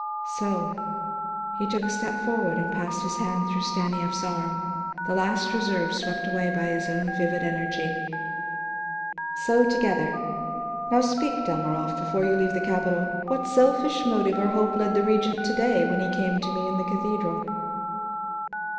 So," he took a step forward and passed his hand through Stanief's arm, the last reserve swept away by his own vivid energy. "So, together; now speak, Dalmorov, before you leave the capital. What selfish motive or hope led the Regent to day when he came to me in the cathedral?"